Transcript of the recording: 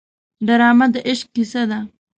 ډرامه د عشق کیسه ده